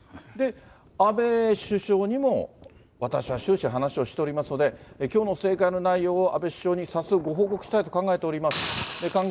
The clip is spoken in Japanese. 安倍首相にも、私は終始話をしておりますので、きょうの盛会の内容を安倍首相に早速ご報告したいと考えております。